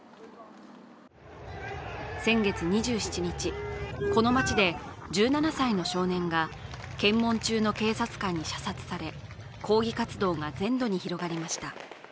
先月２７日、この町で１７歳の少年が検問中の警察官に射殺され、抗議活動が全土に広がりました。